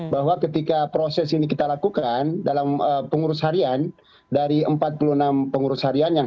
bahwa ketika proses ini kita lakukan dalam pengurus harian dari empat puluh enam pengurus harian yang